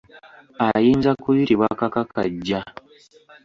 Ayinza kuyitibwa kakakajja.